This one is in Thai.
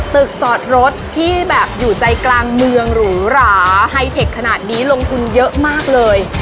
จอดรถที่แบบอยู่ใจกลางเมืองหรูหราไฮเทคขนาดนี้ลงทุนเยอะมากเลย